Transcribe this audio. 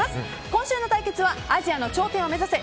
今週の対決はアジアの頂点を目指せ！